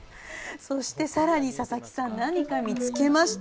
そしてさらに佐々木さん何か見つけました。